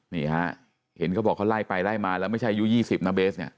นี่ฮะเห็นเขาบอกเขาไล่ไปไล่มาแล้วไม่ใช่อายุ๒๐นะเบสเนี่ย